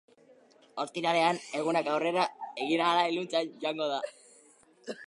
Ostiralean, egunak aurrera egin ahala iluntzen joango da.